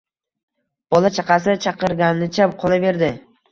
Bola-chaqasi chirqiragancha qolaverdi.